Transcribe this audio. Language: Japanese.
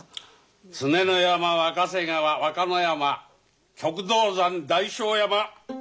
常の山若瀬川和歌乃山旭道山大翔山。